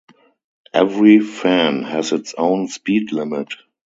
Every fan has its own speed limit.